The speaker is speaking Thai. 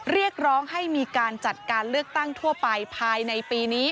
เรียกร้องให้มีการจัดการเลือกตั้งทั่วไปภายในปีนี้